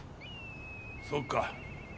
そっか。